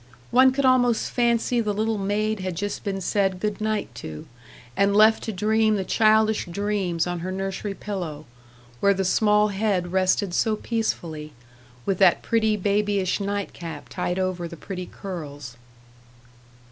One could almost fancy the little maid had just been said "good night" to, and left to dream the childish dreams on her nursery pillow, where the small head rested so peacefully, with that pretty babyish nightcap tied over the pretty curls.